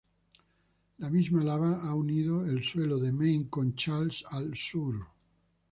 La misma lava ha unido el suelo de Main con Challis al sur.